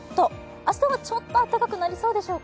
明日はちょっと暖かくなりそうでしょうか。